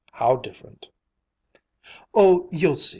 "How different?" "Oh, you'll see!